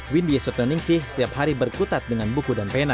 windy sutaningsih setiap hari berkutat dengan buku dan pena